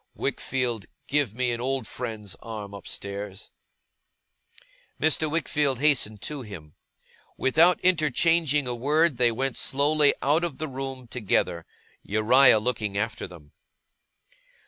Wickfield, give me an old friend's arm upstairs!' Mr. Wickfield hastened to him. Without interchanging a word they went slowly out of the room together, Uriah looking after them.